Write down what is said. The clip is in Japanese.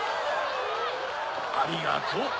ありがとう！